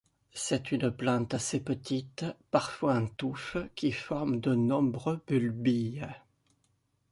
C'est une plante assez petite, parfois en touffe, qui forme de nombreux bulbilles.